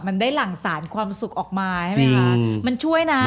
มันได้หลั่งสรรความสุขออกมา